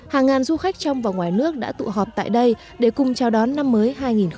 hàng ngàn du khách trong và ngoài nước đã tụ họp tại đây để cùng chào đón năm mới hai nghìn hai mươi